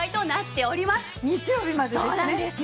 日曜日までですね。